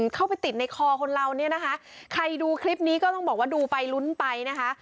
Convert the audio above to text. เข้าไปติดในคอคนเราเนี่ยนะคะใครดูคลิปนี้ก็ต้องบอกว่าดูไปลุ้นไปนะคะ